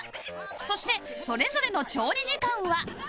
そしてそれぞれの調理時間は